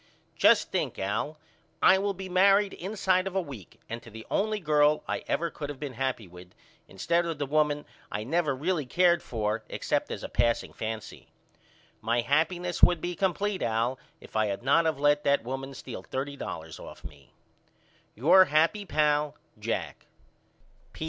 Just think Al I will be married inside of a week and to the only girl I ever could of been happy with instead of the woman I never really cared for except as a passing fancy. My happyness would be complete Al if I had not of let that woman steal thirty dollars off of me. Your happy pal, JACK.